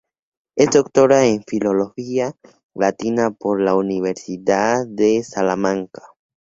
Es doctora en Filología Latina por la Universidad de Salamanca.